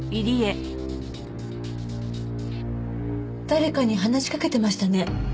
誰かに話しかけてましたね。